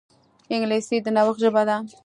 انګلیسي د نوښت ژبه ده